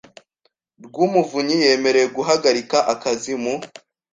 rw Umuvunyi yemerewe guhagarika akazi mu